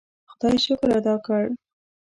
خدای شکر ادا کړ.